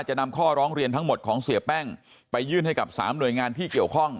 จะนำข้อร้องเรียนทั้งหมดของเสียแป้งไปยื่นให้กับ๓หน่วยงานที่เกี่ยวข้อง